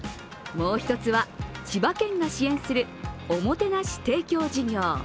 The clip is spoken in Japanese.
もう一つは、千葉県が支援するおもてなし提供事業。